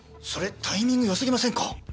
それタイミングよすぎませんか？